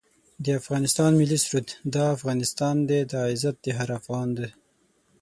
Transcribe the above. د افغانستان ملي سرود دا افغانستان دی دا عزت هر افغان دی